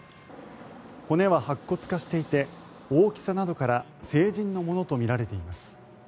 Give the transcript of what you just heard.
骨は白骨化していて大きさなどから成人のものとみられています。